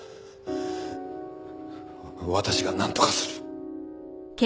私がなんとかする。